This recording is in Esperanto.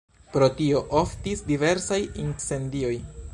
Pro tio oftis diversaj incendioj.